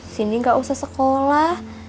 sindy gak usah sekolah